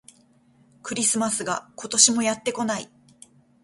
クリスマスが、今年もやってこない